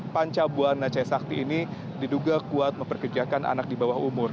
pancabuan nacai sakti ini diduga kuat memperkerjakan anak di bawah umur